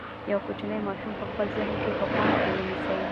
یو کوچنی ماشوم په خپل ذهن کې په پام کې ونیسئ.